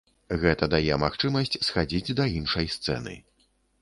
Гэта дае магчымасць схадзіць да іншай сцэны.